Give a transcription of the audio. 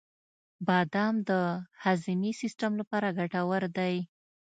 • بادام د هاضمې سیسټم لپاره ګټور دي.